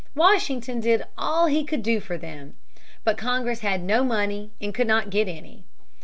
Washington did all he could do for them. But Congress had no money and could not get any.